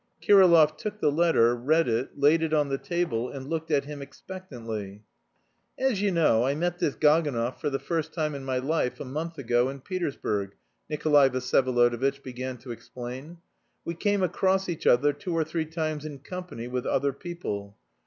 Kirillov took the letter, read it, laid it on the table and looked at him expectantly. "As you know, I met this Gaganov for the first time in my life a month ago, in Petersburg," Nikolay Vsyevolodovitch began to explain. "We came across each other two or three times in company with other people.